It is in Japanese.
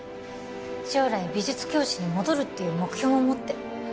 将来美術教師に戻るっていう目標も持って